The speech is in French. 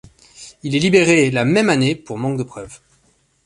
Il est libéré la même année pour manque de preuves.